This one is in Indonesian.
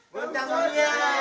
kepala para pendamping